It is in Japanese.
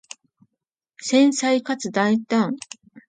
繊細かつ大胆